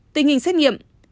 tình hình xét nghiệm